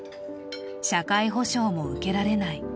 社会保障も受けられない。